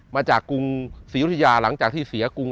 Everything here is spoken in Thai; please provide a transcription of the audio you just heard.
มาจากกรุงศรียุธยาหลังจากที่เสียกรุง